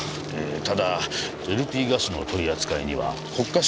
ただＬＰガスの取り扱いには国家資格が必要です。